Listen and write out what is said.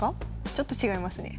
ちょっと違いますね。